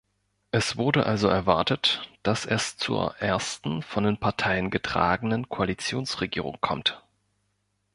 Es wurde also erwartet, dass es zur ersten von den Parteien getragenen Koalitionsregierung kommt.